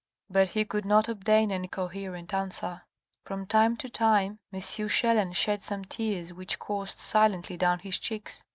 But he could not obtain any coherent answer. From time to time, M. Chelan shed some tears which coursed silently down his cheeks.